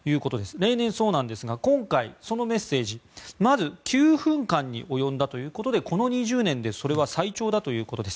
例年そうなんですが今回そのメッセージまず９分間に及んだということでこの２０年間でそれは最長だということです。